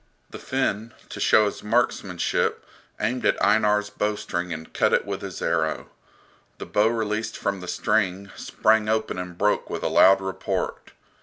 The Finn, to show his marksmanship, aimed at Einar's bowstring and cut it with his arrow. The bow released from the string sprang open and broke with a loud report.